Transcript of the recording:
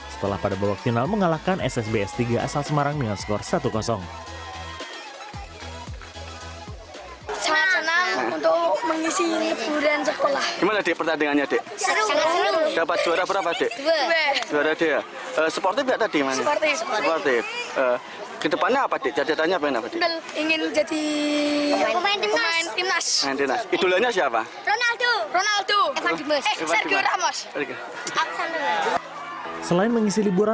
setelah pada bawa final mengalahkan ssb s tiga asal semarang dengan skor satu